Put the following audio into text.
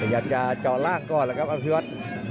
อยากจะจอดล่างก่อนล่ะครับอภิวัต